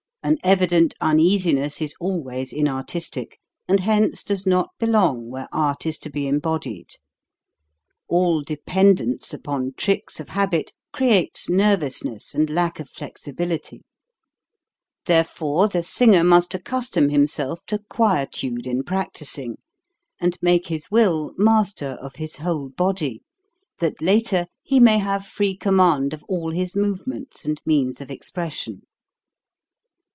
An evident uneasiness is always inartistic, and hence does not belong where art is to be embodied. All dependence upon tricks of habit creates nervousness and lack of flexibility. POSITION WHILE PRACTISING 265 Therefore the singer must accustom him self to quietude in practising, and make his will master of his whole body, that later he may have free command of all his movements and means of expression.